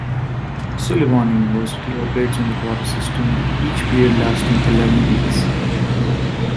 Sullivan University operates on the quarter system with each period lasting eleven weeks.